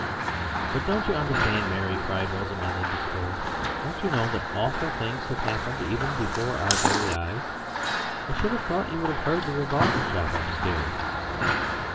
"But don't you understand, Mary," cried Rosamund in despair; "don't you know that awful things have happened even before our very eyes. I should have thought you would have heard the revolver shots upstairs."